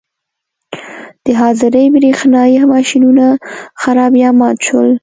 د حاضرۍ برېښنايي ماشینونه خراب یا مات شول.